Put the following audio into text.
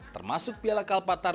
termasuk piala kalpatar